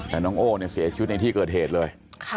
แต่น้องโอ้เสียชีวิตในที่เกิดเหตุเลย